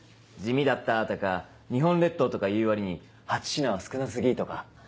「地味だった」とか「日本列島とかいう割に８品は少な過ぎ」とか。